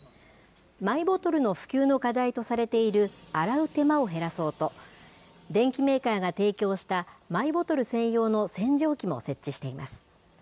マイボトルの普及の課題とされている洗う手間を減らそうと、電機メーカーが提供したマイボトル専用の洗浄機も設置しています。